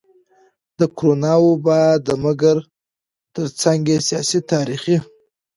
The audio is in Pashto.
د کرونا وبا ده مګر ترڅنګ يې سياسي, تاريخي,